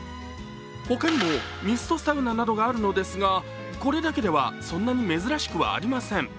ほかにもミストサウナなどがあるのですがこれだけでは、そんなに珍しくはありません。